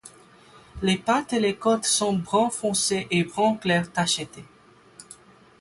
Les pattes et les côtés sont brun foncé et brun clair tacheté.